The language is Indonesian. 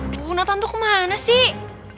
bu nathan tuh kemana sih